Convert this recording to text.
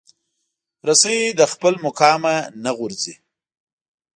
رسۍ له خپل مقامه نه غورځي.